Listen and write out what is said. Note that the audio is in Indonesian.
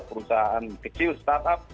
perusahaan kecil startup